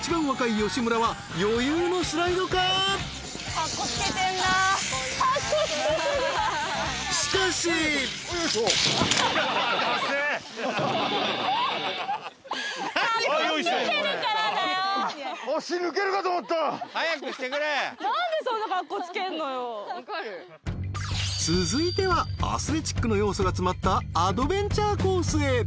［続いてはアスレチックの要素が詰まったアドベンチャーコースへ］